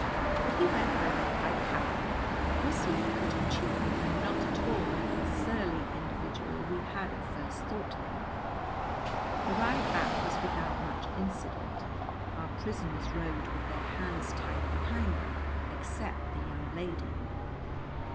But he went round quite happily, whistling a bit of tune, and not at all like the surly individual we had at first thought him. The ride back was without much incident. Our prisoners rode with their hands tied behind them, except the young lady.